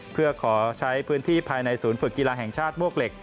เพื่อขอใช้พื้นที่ภายในศูนย์ฝึกกีฬาแห่งชาติมวกเหล็ก